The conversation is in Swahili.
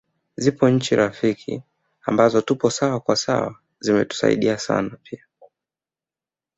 Zipo Nchi rafiki ambazo tupo sawa kwa sawa zimetusaidia sana pia